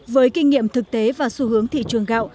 với kinh nghiệm thực tế và xu hướng thị trường gạo